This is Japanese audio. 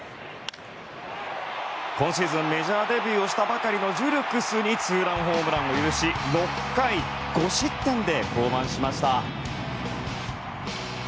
今シーズンメジャーデビューしたばかりのジュルクスにツーランホームランを許し６回５失点で降板しました。